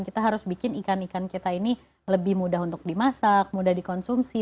kita harus bikin ikan ikan kita ini lebih mudah untuk dimasak mudah dikonsumsi